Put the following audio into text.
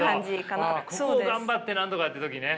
ここを頑張ってなんとかって時ね。